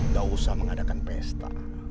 gak usah mengadakan pesta